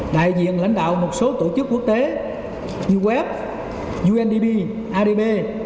đại diện lãnh đạo một số tổ chức quốc tế như web undb adb